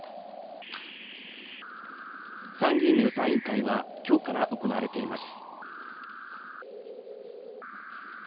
参議院の予算委員会は、きょうから行われています。